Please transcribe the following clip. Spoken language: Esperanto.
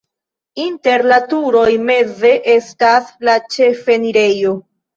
Inter la turoj meze estas la ĉefenirejo.